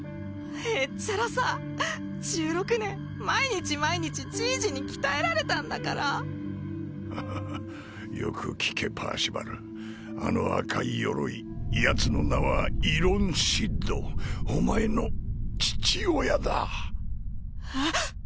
へっちゃらさ１６年毎日毎日じいじに鍛えられたんだからフフフよく聞けパーシバルあの赤い鎧ヤツの名はイロンシッドお前の父親だえっ？